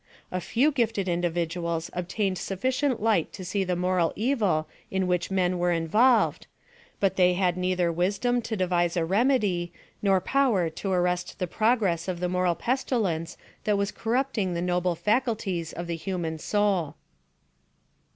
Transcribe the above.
A ^ew gifted individuals obtained sufficient light to see the moral evil in which men were involved, but they had neither wisdom to devise a remedy, nor power to arrest the progress of the moral pestilence that was corrupting the noble faculties of the hu man soul.